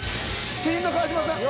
麒麟の川島さん。